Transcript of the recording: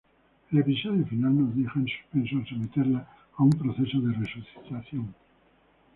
El episodio final nos deja en suspenso al someterla a un proceso de resucitación.